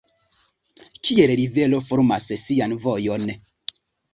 Kiel rivero formas sian vojon.